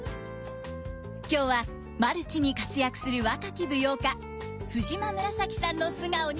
今日はマルチに活躍する若き舞踊家藤間紫さんの素顔に迫ります。